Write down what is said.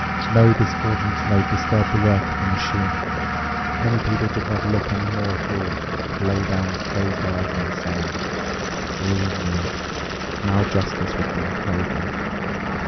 No discordant note disturbed the work of the machine. Many people did not look any more at all, but lay down with closed eyes in the sand. They all knew: now justice was being carried out.